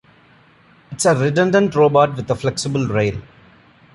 It is a redundant robot with a flexible rail.